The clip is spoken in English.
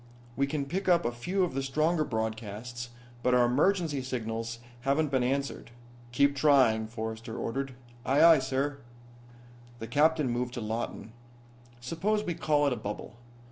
"We can pick up a few of the stronger broadcasts, but our emergency signals haven't been answered." "Keep trying," Forrester ordered. "Aye, aye, sir." The captain turned to Lawton. "Suppose we call it a bubble.